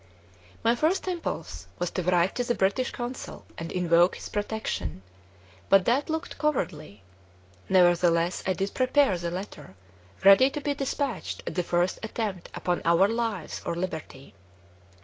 My first impulse was to write to the British Consul and invoke his protection; but that looked cowardly. Nevertheless, I did prepare the letter, ready to be despatched at the first attempt upon our lives or liberty.